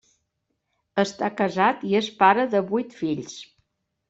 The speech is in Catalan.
Està casat i és pare de vuit fills.